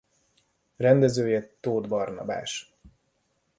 Rendezője Tóth Barnabás.